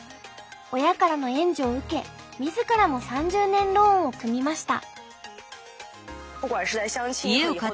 親からの援助を受け自らも３０年ローンを組みました。